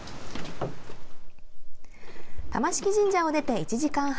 玉敷神社を出て１時間半。